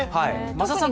松田さん